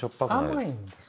甘いんです。